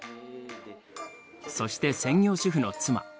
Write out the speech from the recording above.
そして専業主婦の妻。